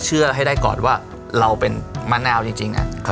เชื่อให้ได้ก่อนว่าเราเป็นมะนาวจริง